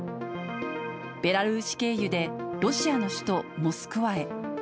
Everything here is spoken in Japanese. ベラルーシ経由でロシアの首都モスクワへ。